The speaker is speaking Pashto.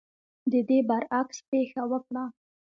د دې برعکس پېښه وکړه.